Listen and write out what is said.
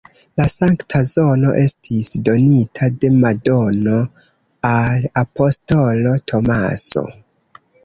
La sankta zono estis donita de Madono al apostolo Tomaso.